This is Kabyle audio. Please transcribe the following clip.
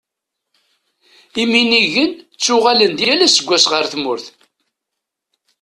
Iminigen ttuɣalen-d yal aseggas ɣer tmurt.